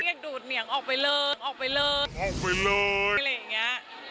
อยากดูดเหนียงออกไปเลยออกไปเลยอะไรอย่างเงี้ย